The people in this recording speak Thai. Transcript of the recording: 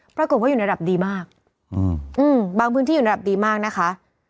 ปรากฏว่าอยู่ในระดับดีมากบางพื้นที่อยู่ระดับดีมากนะคะ